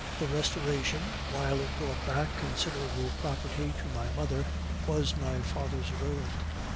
"The Restoration, while it brought back considerable property to my mother, was my father's ruin.